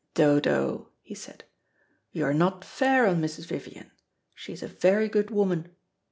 "Dodo," he said, "you are not fair on Mrs. Vivian. She is a very good woman."